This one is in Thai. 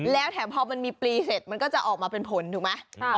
แล้วแถมพอมันมีปลีเสร็จมันก็จะออกมาเป็นผลถูกไหม